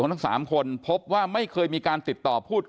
ทั้ง๓คนพบว่าไม่เคยมีการติดต่อพูดคุย